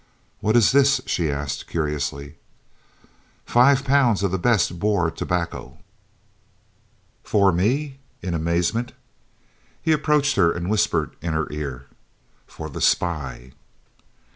"What is this?" she asked curiously. "Five pounds of the best Boer tobacco." "For me?" in amazement. He approached her and whispered in her ear: "For the spy!"